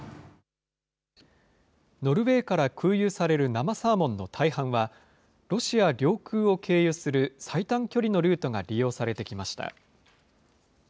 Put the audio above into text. ノルウェーから空輸される生サーモンの大半は、ロシア領空を経由する最短距離のルートが利用されてきました。